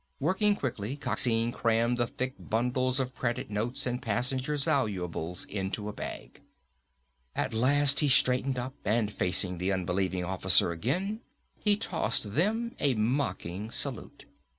Working quickly, Coxine crammed the thick bundles of credit notes and passenger's valuables into a bag. At last he straightened up, and facing the unbelieving officer again, he tossed them a mocking salute.